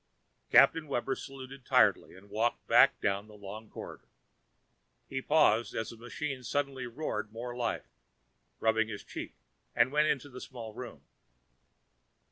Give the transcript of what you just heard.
Captain Webber saluted tiredly and walked back down the long corridor. He paused as the machines suddenly roared more life, rubbed his cheek and went into the small room.